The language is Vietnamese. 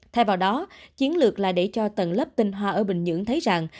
thay vào đó chiến lược là để cho tầng lớp tinh hoa ở bình nhưỡng thấy rằng